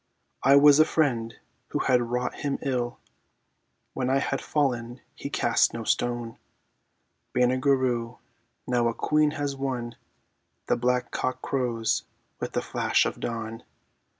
"I was a friend who had wrought him ill; When I had fallen he cast no stone ..." Banagher Rhue, now a queen has won! (The black cock crows with the flash of dawn.)